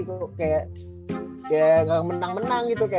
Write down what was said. kayak menang menang gitu